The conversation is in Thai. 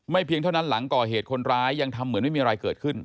เพียงเท่านั้นหลังก่อเหตุคนร้ายยังทำเหมือนไม่มีอะไรเกิดขึ้น